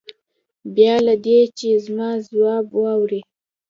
بې له دې چې زما ځواب واوري.